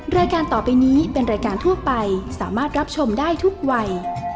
รายการต่อไปนี้เป็นรายการทั่วไปสามารถรับชมได้ทุกวัย